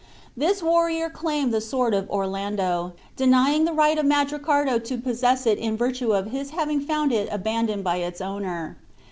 This warrior claimed the sword of Orlando, denying the right of Mandricardo to possess it in virtue of his having found it abandoned by its owner.